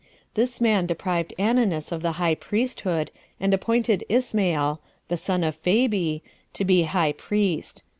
This man deprived Ananus of the high priesthood, and appointed Ismael, the son of Phabi, to be high priest.